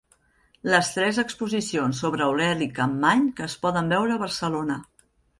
Les tres exposicions sobre Aureli Capmany que es poden veure a Barcelona.